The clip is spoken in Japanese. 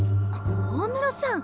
大室さん！？